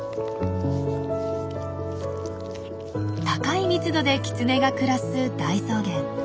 高い密度でキツネが暮らす大草原。